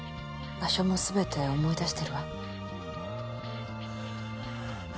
場所も全て思い出してるわ。